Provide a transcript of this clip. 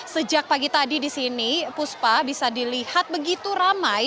sejak pagi tadi di sini puspa bisa dilihat begitu ramai